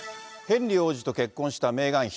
ヘンリー王子と結婚したメーガン妃。